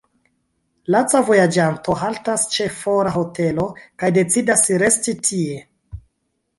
Laca vojaĝanto haltas ĉe fora hotelo kaj decidas resti tie.